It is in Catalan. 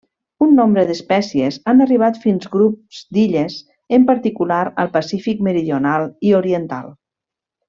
Un nombre d'espècies han arribat fins grups d'illes, en particular al Pacífic meridional i oriental.